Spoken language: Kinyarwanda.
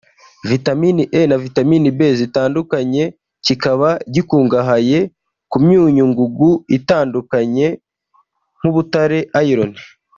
Vitamin E na Vitamin B zitandukanye kikaba gikungahaye ku myunyu ngugu itandukanye nk’ubutare(Iron)